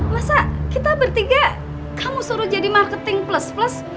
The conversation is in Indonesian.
masa kita bertiga kamu suruh jadi marketing plus plus